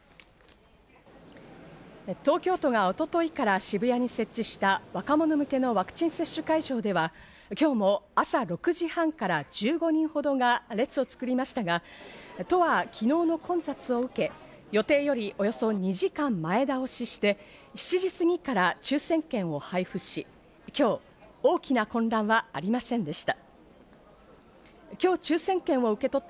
東京都が一昨日から渋谷に設置した、若者向けのワクチン接種会場では今日も朝６時半から１５人ほどが列を作っていましたが、都は昨日の混雑を受け、予定よりおよそ２時間前倒しして、７時過ぎから抽選券を配布し、今日大きな混乱はありませんでした。